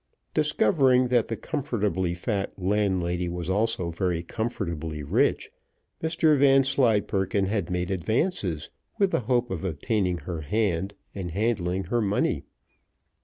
Discovering that the comfortably fat landlady was also very comfortably rich, Mr Vanslyperken had made advances, with the hope of obtaining her hand and handling her money.